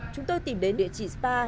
chúng tôi tìm đến địa chỉ spa